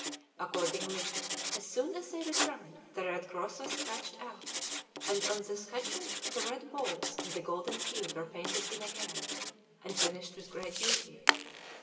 Accordingly, as soon as they returned, the red cross was scratched out, and on the scutcheon the red balls and the golden field were painted in again, and finished with great beauty.